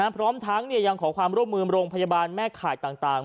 พร้อมทั้งยังขอความร่วมมือโรงพยาบาลแม่ข่ายต่าง